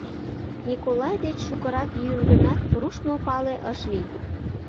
Николай деч шукырак йӱын гынат, руштмо пале ыш лий.